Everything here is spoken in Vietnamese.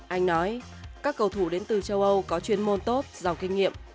anh nói các cầu thủ đến từ châu âu có chuyên môn tốt giàu kinh nghiệm